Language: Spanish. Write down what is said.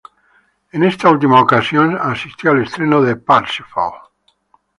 En esta última ocasión, asistió al estreno de "Parsifal".